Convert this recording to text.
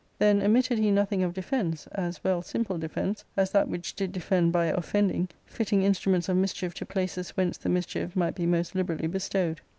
Then omitted he nothing of defence, as well simple defence as that which did defend by offending, fitting instruments of mischief to places whence the mischief might be most liberally bestowed.